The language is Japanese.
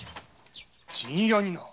陣屋にな？